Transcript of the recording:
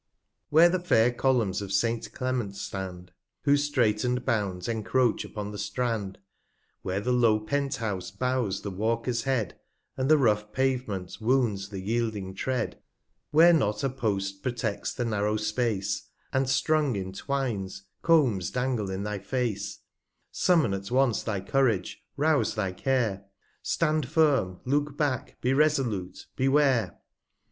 Where the fair Columns of Saint Clement stand, Whose straiten'd Bounds encroach upon the Strand^ 33 F 34 Where the low Penthouse bows the Walker's Head, And the rough Pavement wounds the yielding Tread; Where not a Post proteds the narrow Space, 21 And strung in Twines, Combs dangle in thy Face ; rummon at once thy Courage, rouze thy Care, j Stand firm, look back, be resolute, beware.